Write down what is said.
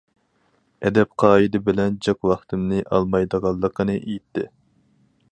ئەدەپ- قائىدە بىلەن جىق ۋاقتىمنى ئالمايدىغانلىقىنى ئېيتتى.